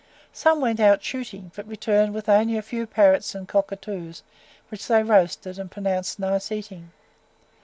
Some went out shooting, but returned with only a few parrots and cockatoos, which they roasted, and pronounced nice eating.